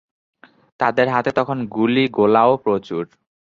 তাদের হাতে তখন গুলি-গোলাও প্রচুর।